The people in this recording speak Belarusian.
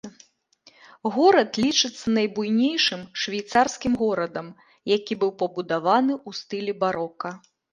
Горад лічыцца найбуйнейшым швейцарскім горадам, які быў пабудаваны ў стылі барока.